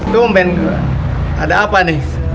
tuh men ada apa nih